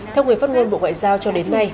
theo người phát ngôn bộ ngoại giao cho đến nay